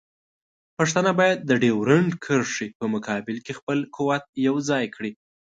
پښتانه باید د ډیورنډ کرښې په مقابل کې خپل قوت یوځای کړي.